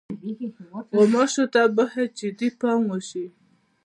غوماشې ته باید جدي پام وشي.